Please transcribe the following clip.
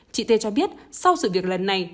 chị t cho biết sau sự việc lần này